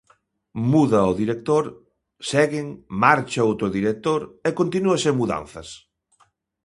Muda o director, seguen, marcha outro director, e continúa sen mudanzas.